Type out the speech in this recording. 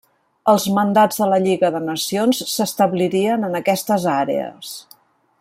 Els mandats de la Lliga de Nacions s'establirien en aquestes àrees.